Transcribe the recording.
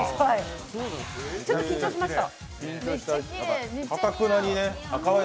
ちょっと緊張しました。